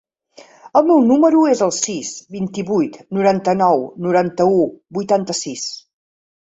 El meu número es el sis, vint-i-vuit, noranta-nou, noranta-u, vuitanta-sis.